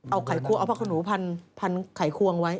เอาไข่ควงเอาผ้าขนหนูพันไขควงไว้